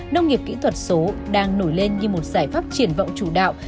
nông nghiệp kỹ thuật số đang nổi lên như một giải pháp triển vọng chủ đạo